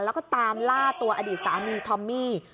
แล้วก็ตามล่าตัวอดีตสามีทอมมี่